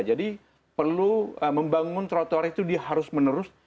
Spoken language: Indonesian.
jadi perlu membangun terotoar itu harus menerus